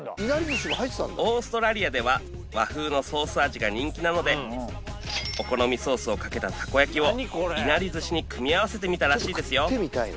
オーストラリアでは和風のソース味が人気なのでお好みソースをかけたたこ焼きをいなり寿司に組み合わせてみたらしいですよ